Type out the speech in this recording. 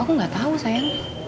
aku gak tau sayang